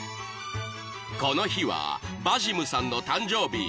［この日はヴァジムさんの誕生日］